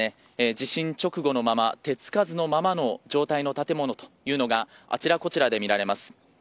地震直後のまま手付かずのままの状態の建物というのがあちらこちらで見られます。